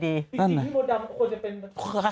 จริงพี่มดดำควรจะเป็นควาย